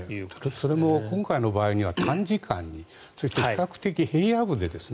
それも今回の場合には短時間にそして比較的平野部でですね